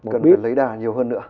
cần phải lấy đà nhiều hơn nữa